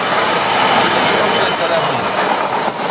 آخری او فیصلہ ھون